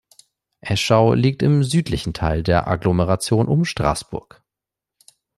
Eschau liegt im südlichen Teil der Agglomeration um Straßburg.